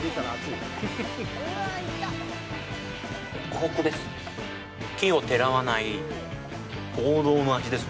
ホクホクです！